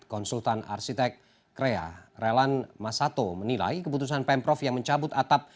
konsultan arsitek krea relan masato menilai keputusan pemprov yang mencabut atap